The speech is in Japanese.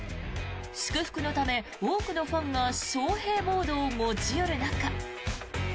祝福のため多くのファンが翔平ボードを持ち寄る中。